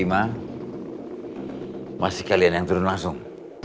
masih kalian yang turun langsung